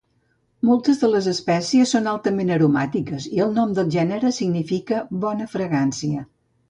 Moltes de les espècies són altament aromàtiques i el nom del gènere significa "bona fragància".